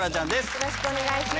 よろしくお願いします。